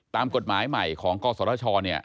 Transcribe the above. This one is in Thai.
ตามกฎหมายใหม่ของกศช